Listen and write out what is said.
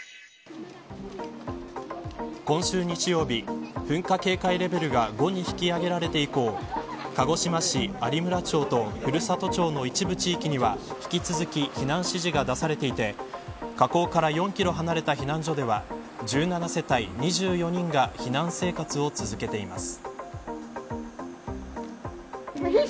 今週日曜日噴火警戒レベルが５に引き上げられて以降鹿児島市有村町と古里町の一部地域には引き続き、避難指示が出されていて火口から４キロ離れた避難所では１７世帯２４人が避難生活を続けています。